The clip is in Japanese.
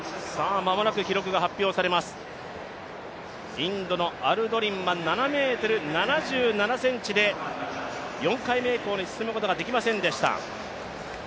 インドのアルドリンは７ｍ７７ｃｍで４回目以降に進むことができませんでした。